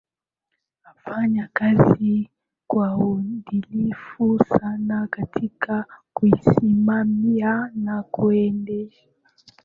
afanya kazi kwa udilifu sana katika kuisimamia na kuiendesha